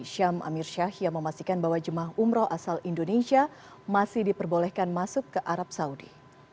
syam amir syahya memastikan bahwa jemaah umroh asal indonesia masih diperbolehkan masuk ke arab saudi